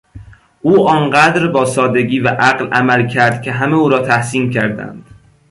او آنقدر با سادگی و عقل عمل کرد که همه او را تحسین کردند.